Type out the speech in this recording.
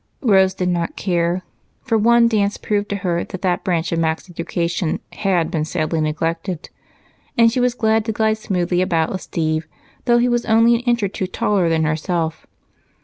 Rose did not care, for one dance proved to her that that branch of Mac's education had been sadly neglected, and she was glad to glide smoothly about with Steve, though he was only an inch or two taller than herself.